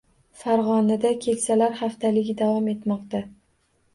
Farg‘onada “Keksalar haftaligi” davom etmoqda